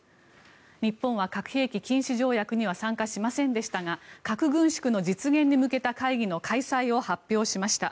日本は核兵器禁止条約には参加しませんでしたが核軍縮の実現に向けた会議の開催を発表しました。